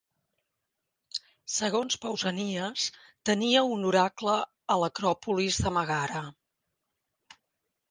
Segons Pausanias, tenia un oracle a l'acròpolis de Megara.